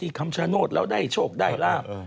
ที่คำชมนตร์แล้วได้โชคได้แล้ว